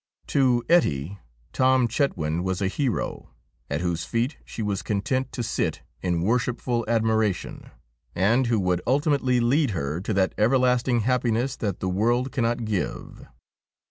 To Ettie, Tom Chetwynd was a hero, at whose feet she was content to sit in worshipful admiration, and who would ultimately lead her to that everlasting happiness that the world cannot give.